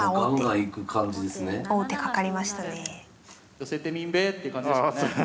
寄せてみんべぇっていう感じですかね。